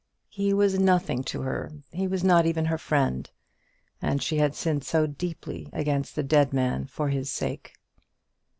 He was nothing to her; he was not even her friend; and she had sinned so deeply against the dead man for his sake.